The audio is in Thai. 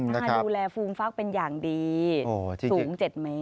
ดูแลฟูมฟักเป็นอย่างดีสูง๗เมตร